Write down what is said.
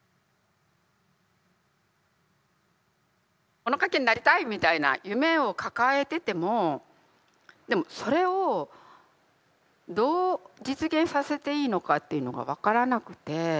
物書きになりたいみたいな夢を抱えててもでもそれをどう実現させていいのかっていうのが分からなくて。